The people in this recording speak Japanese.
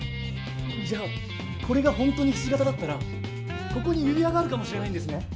じゃあこれがほんとにひし形だったらここに指輪があるかもしれないんですね？